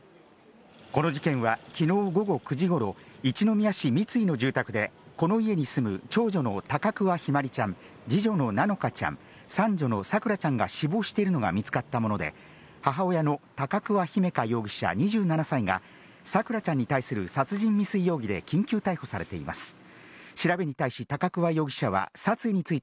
この事件は昨日午後９時頃、一宮市三ツ井の住宅で、この家に住む長女の高桑姫茉梨ちゃん、二女の菜乃華ちゃん、三女の咲桜ちゃんが死亡しているのが見つかったもので、母親の高桑姫華容疑者、２７歳が咲桜ちゃんに対する殺人未遂容疑で緊急逮捕されています。